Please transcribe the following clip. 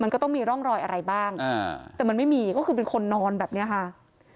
มันก็ต้องมีร่องรอยอะไรบ้างแต่มันไม่มีก็คือเป็นคนนอนแบบนี้ค่ะ